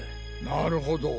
なるほど。